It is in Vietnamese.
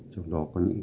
trong đó có những cái